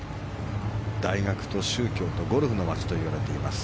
大学と宗教とゴルフの街といわれています